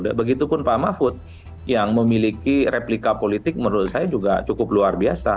dan begitu pun pak mahfud yang memiliki replika politik menurut saya juga cukup luar biasa